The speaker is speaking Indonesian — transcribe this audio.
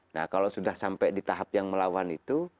nah kalau sudah sampai di tahap yang melawan itu